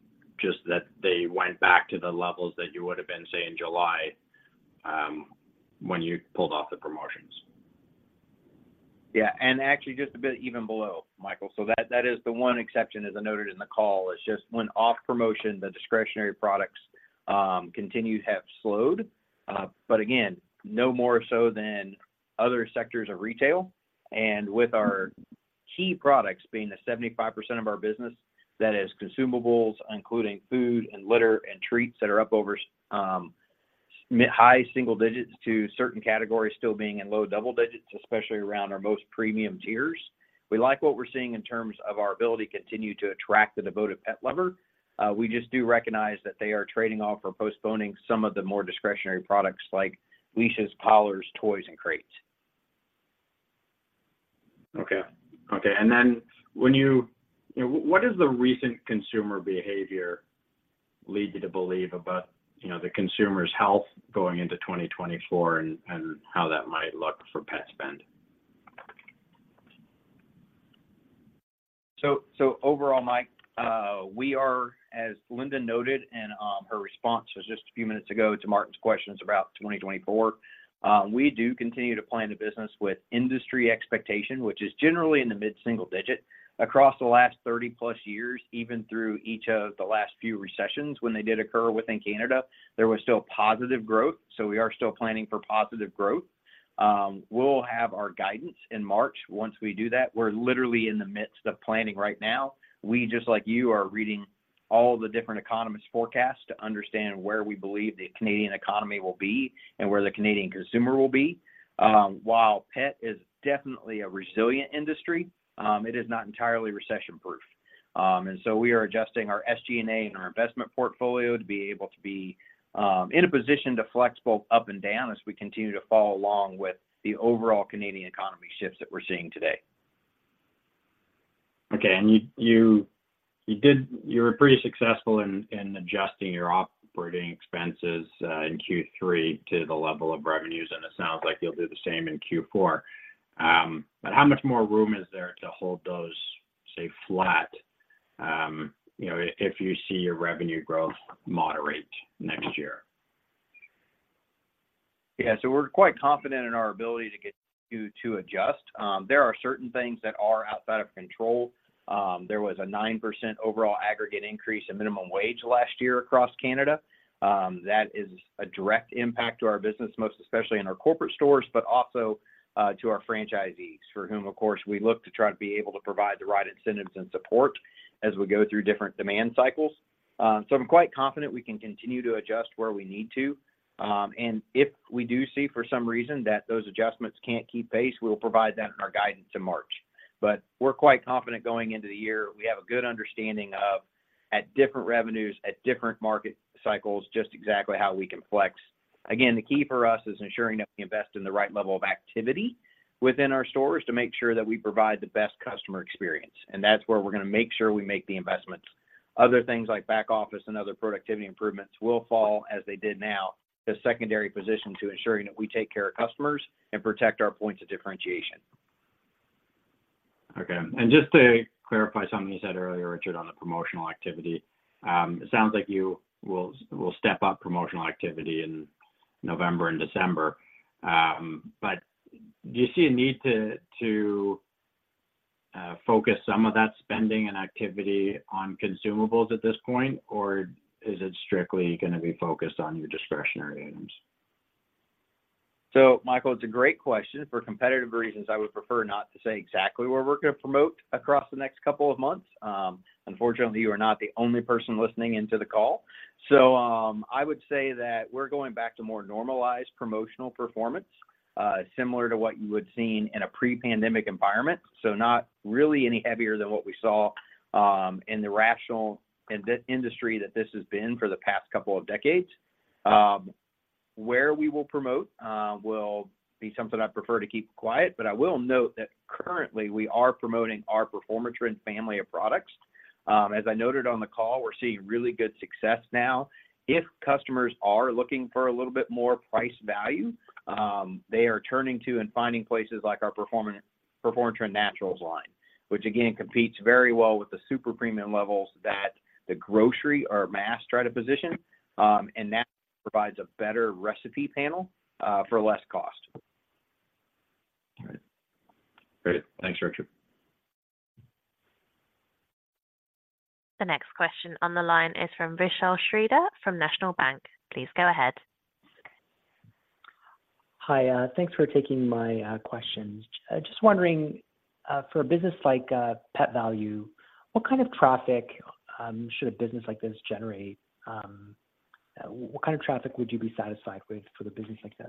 just that they went back to the levels that you would have been, say, in July, when you pulled off the promotions. Yeah, and actually just a bit even below, Michael. So that, that is the one exception, as I noted in the call, is just when off promotion, the discretionary products continued to have slowed. But again, no more so than other sectors of retail, and with our key products being the 75% of our business, that is consumables, including food and litter and treats that are up over mid high single digits to certain categories still being in low double digits, especially around our most premium tiers. We like what we're seeing in terms of our ability to continue to attract the devoted pet lover. We just do recognize that they are trading off or postponing some of the more discretionary products like leashes, collars, toys, and crates. Okay. Okay, and then when you, what does the recent consumer behavior lead you to believe about, you know, the consumer's health going into 2024, and how that might look for pet spend? So, overall, Mike, we are, as Linda noted, and her response was just a few minutes ago to Martin's questions about 2024, we do continue to plan the business with industry expectation, which is generally in the mid-single digit. Across the last 30+ years, even through each of the last few recessions, when they did occur within Canada, there was still positive growth, so we are still planning for positive growth. We'll have our guidance in March. Once we do that, we're literally in the midst of planning right now. We, just like you, are reading all the different economists' forecasts to understand where we believe the Canadian economy will be and where the Canadian consumer will be. While pet is definitely a resilient industry, it is not entirely recession-proof. We are adjusting our SG&A and our investment portfolio to be able to be in a position to flex both up and down as we continue to follow along with the overall Canadian economy shifts that we're seeing today. Okay, and you were pretty successful in adjusting your operating expenses in Q3 to the level of revenues, and it sounds like you'll do the same in Q4. But how much more room is there to hold those, say, flat, you know, if you see your revenue growth moderate next year? Yeah, so we're quite confident in our ability to get you to adjust. There are certain things that are outside of control. There was a 9% overall aggregate increase in minimum wage last year across Canada. That is a direct impact to our business, most especially in our corporate stores, but also, to our franchisees, for whom, of course, we look to try to be able to provide the right incentives and support as we go through different demand cycles. So I'm quite confident we can continue to adjust where we need to. And if we do see for some reason that those adjustments can't keep pace, we'll provide that in our guidance in March. But we're quite confident going into the year. We have a good understanding of at different revenues, at different market cycles, just exactly how we can flex. Again, the key for us is ensuring that we invest in the right level of activity within our stores to make sure that we provide the best customer experience, and that's where we're going to make sure we make the investments. Other things like back office and other productivity improvements will fall, as they did now, the secondary position to ensuring that we take care of customers and protect our points of differentiation. Okay, and just to clarify something you said earlier, Richard, on the promotional activity, it sounds like you will step up promotional activity in November and December. But do you see a need to focus some of that spending and activity on consumables at this point, or is it strictly going to be focused on your discretionary items? So Michael, it's a great question. For competitive reasons, I would prefer not to say exactly where we're gonna promote across the next couple of months. Unfortunately, you are not the only person listening into the call. So, I would say that we're going back to more normalized promotional performance, similar to what you would've seen in a pre-pandemic environment. So not really any heavier than what we saw, in the rational industry that this has been for the past couple of decades. Where we will promote, will be something I prefer to keep quiet, but I will note that currently we are promoting our Performatrin family of products. As I noted on the call, we're seeing really good success now. If customers are looking for a little bit more price value, they are turning to and finding places like our Performatrin Naturals line, which again, competes very well with the super premium levels that the grocery or mass try to position, and that provides a better recipe panel for less cost. All right. Great. Thanks, Richard. The next question on the line is from Vishal Shreedhar from National Bank. Please go ahead. Hi, thanks for taking my questions. Just wondering, for a business like Pet Valu, what kind of traffic should a business like this generate? What kind of traffic would you be satisfied with for the business like this?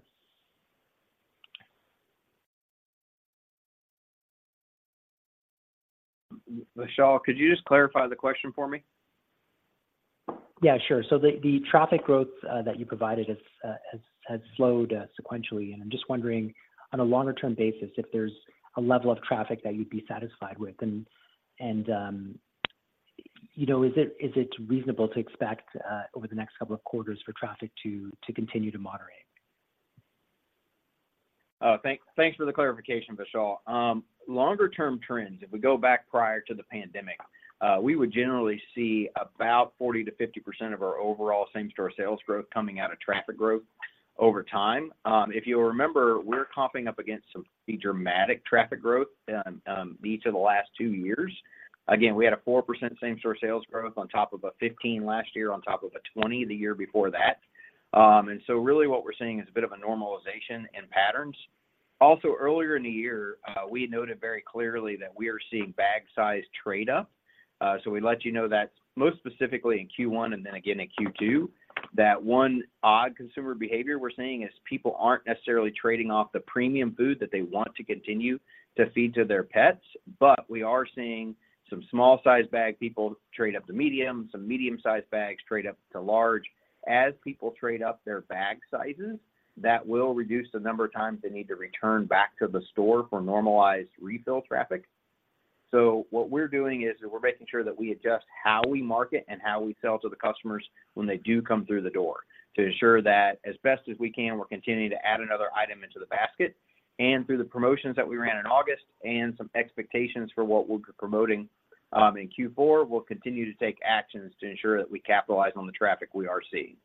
Vishal, could you just clarify the question for me? Yeah, sure. So the traffic growth that you provided has slowed sequentially, and I'm just wondering on a longer term basis, if there's a level of traffic that you'd be satisfied with, and you know, is it reasonable to expect over the next couple of quarters for traffic to continue to moderate? Thanks for the clarification, Vishal. Longer-term trends, if we go back prior to the pandemic, we would generally see about 40%-50% of our overall same-store sales growth coming out of traffic growth over time. If you'll remember, we're comping up against some pretty dramatic traffic growth each of the last two years. Again, we had a 4% same-store sales growth on top of a 15% last year, on top of a 20% the year before that. And so really what we're seeing is a bit of a normalization in patterns. Also, earlier in the year, we noted very clearly that we are seeing bag size trade up. We let you know that most specifically in Q1 and then again in Q2, that one odd consumer behavior we're seeing is people aren't necessarily trading off the premium food that they want to continue to feed to their pets. But we are seeing some small-sized bag people trade up to medium, some medium-sized bags trade up to large. As people trade up their bag sizes, that will reduce the number of times they need to return back to the store for normalized refill traffic. What we're doing is we're making sure that we adjust how we market and how we sell to the customers when they do come through the door, to ensure that as best as we can, we're continuing to add another item into the basket. Through the promotions that we ran in August and some expectations for what we'll be promoting in Q4, we'll continue to take actions to ensure that we capitalize on the traffic we are seeing.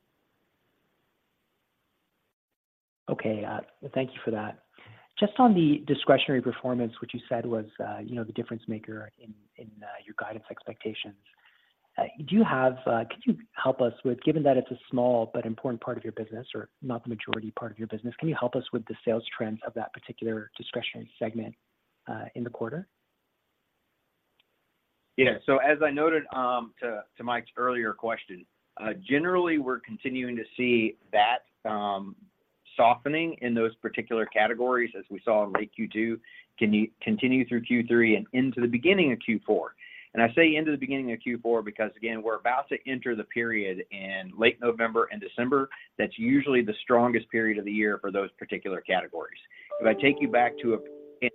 Okay, thank you for that. Just on the discretionary performance, which you said was, you know, the difference maker in, in, your guidance expectations. Do you have, could you help us with, given that it's a small but important part of your business or not the majority part of your business, can you help us with the sales trends of that particular discretionary segment, in the quarter? Yeah. So as I noted, to Mike's earlier question, generally, we're continuing to see that softening in those particular categories, as we saw in late Q2, continue through Q3 and into the beginning of Q4. And I say into the beginning of Q4, because again, we're about to enter the period in late November and December. That's usually the strongest period of the year for those particular categories. If I take you back to a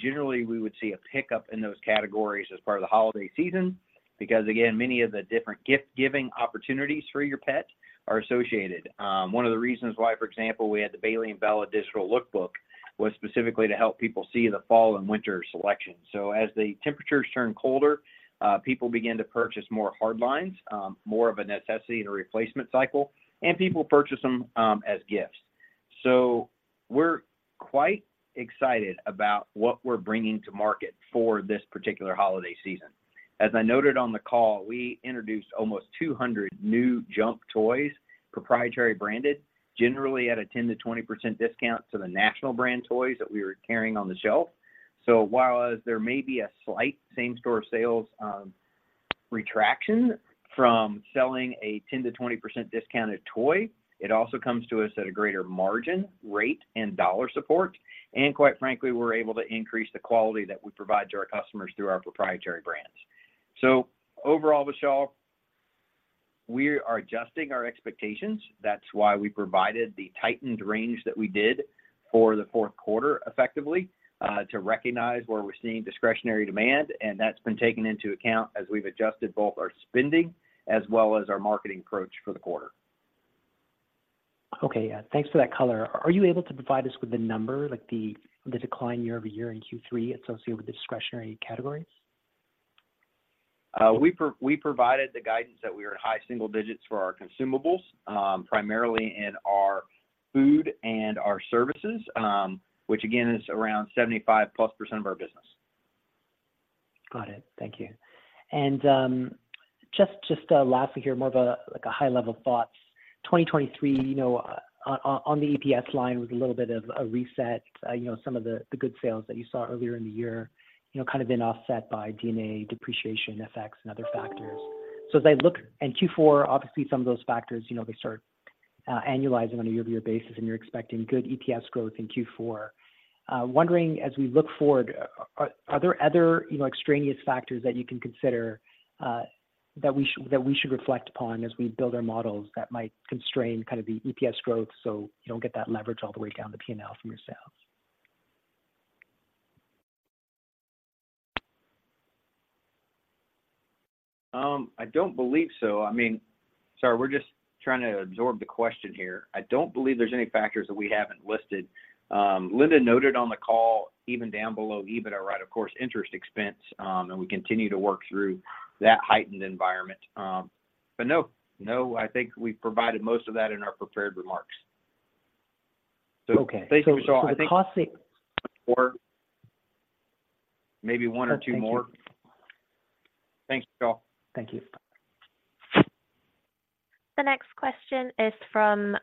generally, we would see a pickup in those categories as part of the holiday season, because again, many of the different gift-giving opportunities for your pet are associated. One of the reasons why, for example, we had the Bailey & Bella digital lookbook was specifically to help people see the fall and winter selection. So as the temperatures turn colder, people begin to purchase more hardlines, more of a necessity and a replacement cycle, and people purchase them, as gifts. So we're quite excited about what we're bringing to market for this particular holiday season. As I noted on the call, we introduced almost 200 new Jump toys, proprietary branded, generally at a 10%-20% discount to the national brand toys that we were carrying on the shelf. So while there may be a slight same-store sales, retraction from selling a 10%-20% discounted toy, it also comes to us at a greater margin rate and dollar support, and quite frankly, we're able to increase the quality that we provide to our customers through our proprietary brands. So overall, Vishal, we are adjusting our expectations. That's why we provided the tightened range that we did for the fourth quarter, effectively, to recognize where we're seeing discretionary demand, and that's been taken into account as we've adjusted both our spending as well as our marketing approach for the quarter. Okay, yeah. Thanks for that color. Are you able to provide us with the number, like the decline year-over-year in Q3 associated with the discretionary categories? We provided the guidance that we are at high single digits for our consumables, primarily in our food and our services, which again, is around 75%+ of our business. Got it. Thank you. And, just, lastly here, more of a, like a high-level thoughts. 2023, you know, on the EPS line was a little bit of a reset. You know, some of the good sales that you saw earlier in the year, you know, kind of been offset by D&A depreciation effects and other factors. So as I look in Q4, obviously some of those factors, you know, they start annualizing on a year-over-year basis, and you're expecting good EPS growth in Q4. Wondering, as we look forward, are there other, you know, extraneous factors that you can consider, that we should reflect upon as we build our models that might constrain kind of the EPS growth, so you don't get that leverage all the way down the P&L from your sales? I don't believe so. I mean, sorry, we're just trying to absorb the question here. I don't believe there's any factors that we haven't listed. Linda noted on the call, even down below EBITDA, right, of course, interest expense, and we continue to work through that heightened environment. But no, no, I think we've provided most of that in our prepared remarks. Okay. Thank you so much. So the cost- Or maybe one or two more. Thank you. Thanks, y'all. Thank you. The next question is from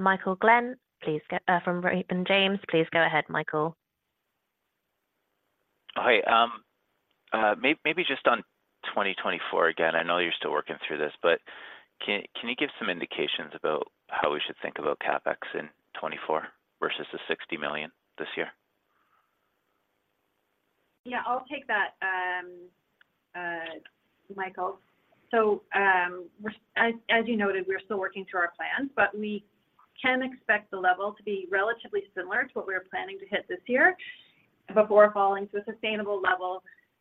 Michael Glen from Raymond James. Please go ahead, Michael. Hi. Maybe just on 2024 again, I know you're still working through this, but can you give some indications about how we should think about CapEx in 2024 versus the 60 million this year? Yeah, I'll take that, Michael. So, we're, as you noted, we're still working through our plans, but we can expect the level to be relatively similar to what we were planning to hit this year before falling to a sustainable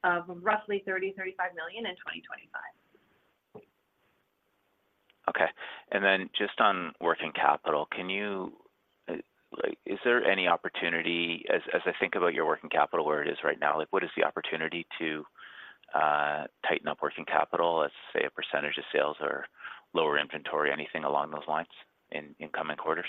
level of roughly 30 million-35 million in 2025. Okay. And then just on working capital, can you, like, is there any opportunity, as I think about your working capital, where it is right now, like, what is the opportunity to, tighten up working capital, let's say, a percentage of sales or lower inventory, anything along those lines in incoming quarters?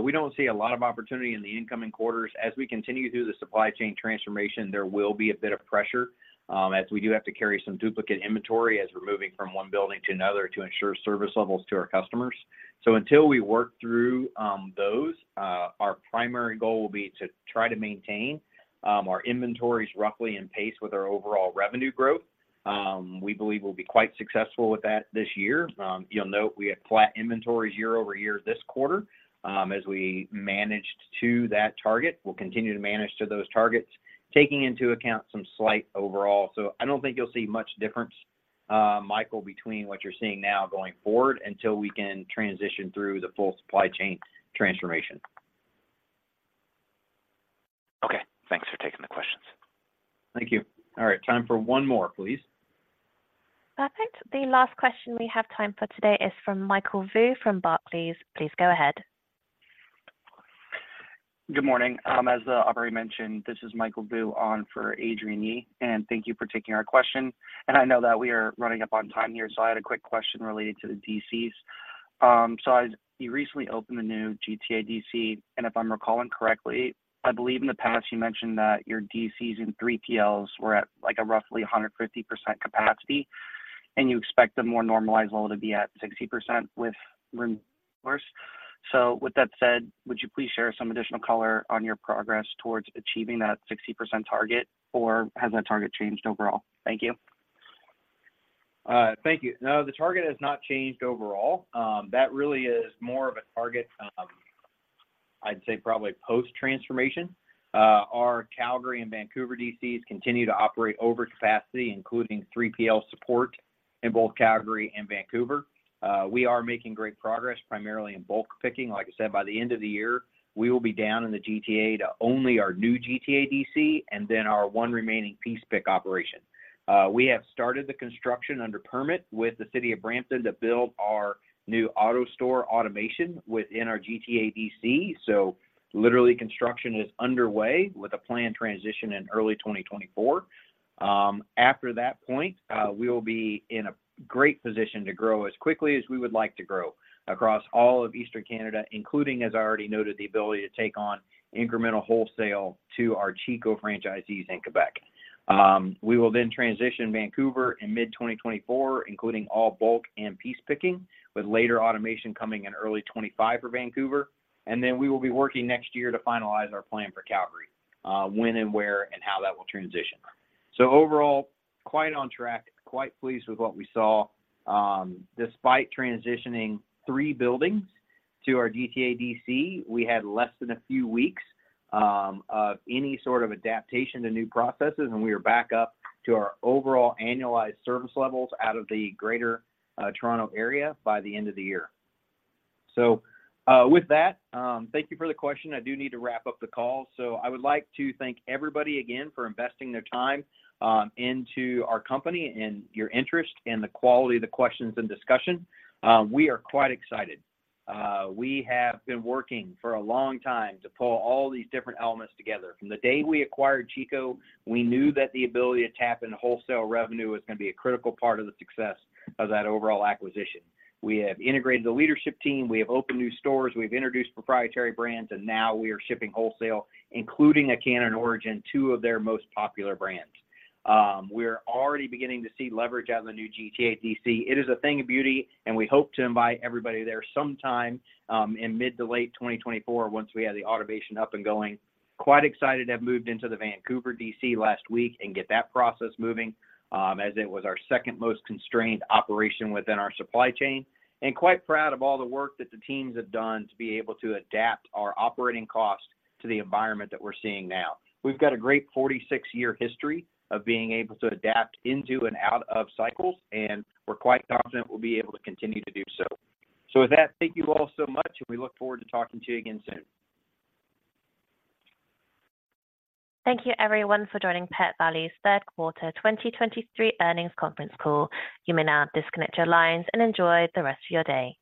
We don't see a lot of opportunity in the incoming quarters. As we continue through the supply chain transformation, there will be a bit of pressure, as we do have to carry some duplicate inventory as we're moving from one building to another to ensure service levels to our customers. So until we work through those, our primary goal will be to try to maintain our inventories roughly in pace with our overall revenue growth. We believe we'll be quite successful with that this year. You'll note we had flat inventories year over year this quarter, as we managed to that target. We'll continue to manage to those targets, taking into account some slight overall. So I don't think you'll see much difference, Michael, between what you're seeing now going forward until we can transition through the full supply chain transformation. Okay. Thanks for taking the questions. Thank you. All right, time for one more, please. Perfect. The last question we have time for today is from Michael Vu from Barclays. Please go ahead. Good morning. As the operator mentioned, this is Michael Vu on for Adrienne Yih, and thank you for taking our question. I know that we are running up on time here, so I had a quick question related to the DCs. So as you recently opened the new GTA DC, and if I'm recalling correctly, I believe in the past you mentioned that your DCs in 3PLs were at, like, roughly 150% capacity, and you expect a more normalized level to be at 60% with resource. So with that said, would you please share some additional color on your progress towards achieving that 60% target, or has that target changed overall? Thank you. Thank you. No, the target has not changed overall. That really is more of a target, I'd say probably post-transformation. Our Calgary and Vancouver DCs continue to operate over capacity, including 3PL support in both Calgary and Vancouver. We are making great progress, primarily in bulk picking. Like I said, by the end of the year, we will be down in the GTA to only our new GTA DC and then our one remaining piece pick operation. We have started the construction under permit with the city of Brampton to build our new AutoStore automation within our GTA DC. So literally, construction is underway with a planned transition in early 2024. After that point, we will be in a great position to grow as quickly as we would like to grow across all of Eastern Canada, including, as I already noted, the ability to take on incremental wholesale to our Chico franchisees in Quebec. We will then transition Vancouver in mid-2024, including all bulk and piece picking, with later automation coming in early 2025 for Vancouver. And then we will be working next year to finalize our plan for Calgary, when and where and how that will transition. So overall, quite on track, quite pleased with what we saw. Despite transitioning three buildings to our GTA DC, we had less than a few weeks of any sort of adaptation to new processes, and we are back up to our overall annualized service levels out of the Greater Toronto area by the end of the year. So, with that, thank you for the question. I do need to wrap up the call. So I would like to thank everybody again for investing their time into our company and your interest and the quality of the questions and discussion. We are quite excited. We have been working for a long time to pull all these different elements together. From the day we acquired Chico, we knew that the ability to tap into wholesale revenue was gonna be a critical part of the success of that overall acquisition. We have integrated the leadership team, we have opened new stores, we've introduced proprietary brands, and now we are shipping wholesale, including an Orijen, two of their most popular brands. We're already beginning to see leverage out of the new GTA DC. It is a thing of beauty, and we hope to invite everybody there sometime, in mid- to late 2024, once we have the automation up and going. Quite excited to have moved into the Vancouver DC last week and get that process moving, as it was our second most constrained operation within our supply chain, and quite proud of all the work that the teams have done to be able to adapt our operating cost to the environment that we're seeing now. We've got a great 46-year history of being able to adapt into and out of cycles, and we're quite confident we'll be able to continue to do so. So with that, thank you all so much, and we look forward to talking to you again soon. Thank you everyone for joining Pet Valu's third quarter 2023 earnings conference call. You may now disconnect your lines and enjoy the rest of your day.